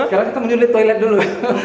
sekarang kita menyulit toilet dulu